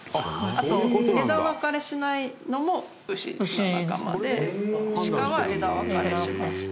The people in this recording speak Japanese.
あと枝分かれしないのも牛の仲間で鹿は枝分かれします。